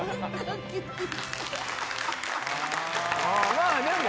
まぁでも。